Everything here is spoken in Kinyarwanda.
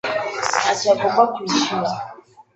ntacyo agomba kwishyura.